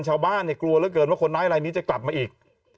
ชาวบ้านเนี่ยกลัวเหลือเกินว่าคนร้ายอะไรนี้จะกลับมาอีก